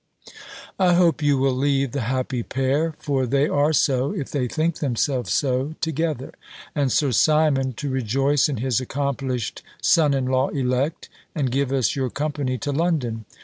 I hope you will leave the happy pair (for they are so, if they think themselves so) together, and Sir Simon to rejoice in his accomplished son in law elect, and give us your company to London.